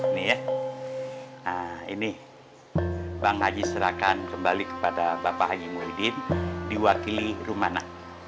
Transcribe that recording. nah ini bang haji serahkan kembali kepada bapak haji muhyiddin diwakili rumana